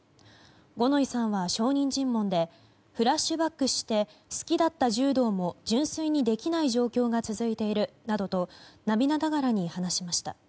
五ノ井さんは証人尋問でフラッシュバックして好きだった柔道も純粋にできない状況が続いているなどと涙ながらに話しました。